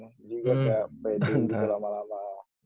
jadi gua kayak pede gitu lama lama